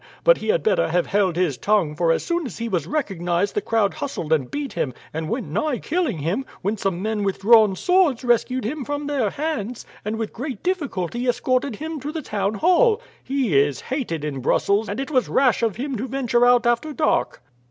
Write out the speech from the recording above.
But he had better have held his tongue; for as soon as he was recognized the crowd hustled and beat him, and went nigh killing him, when some men with drawn swords rescued him from their hands, and with great difficulty escorted him to the town hall. He is hated in Brussels, and it was rash of him to venture out after dark."